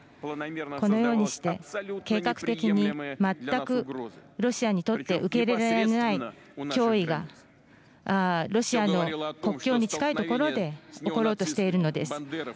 このようにして計画的に全くロシアにとって受け入れられない脅威がロシアの国境に近いところで起ころうとしているのです。